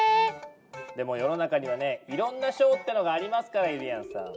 でも世の中にはねいろんな賞ってのがありますからゆりやんさん。